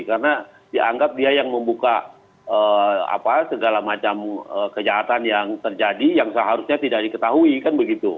karena dianggap dia yang membuka segala macam kejahatan yang terjadi yang seharusnya tidak diketahui kan begitu